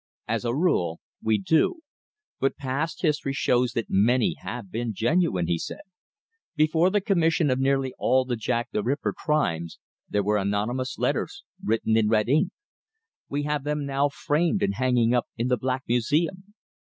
"As a rule we do. But past history shows that many have been genuine," he said. "Before the commission of nearly all the Jack the Ripper crimes there were anonymous letters, written in red ink. We have them now framed and hanging up in the Black Museum."